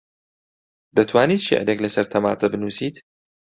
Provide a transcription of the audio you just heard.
دەتوانیت شیعرێک لەسەر تەماتە بنووسیت؟